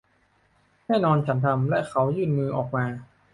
แน่นอนฉันทำ และเขายื่นมือออกมา